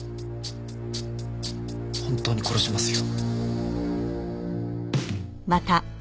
本当に殺しますよ。